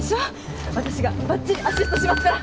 わたしがばっちりアシストしますから。